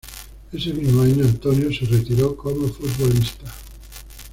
Ese mismo año Antonio se retiró como futbolista.